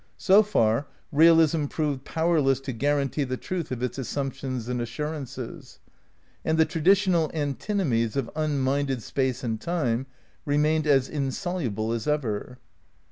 So far, realism proved powerless to guarantee the truth of its assumptions and assurances. And the traditional antinomies of unminded Space and Time remained as insoluble as ever.